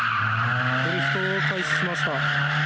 ドリフトを開始しました。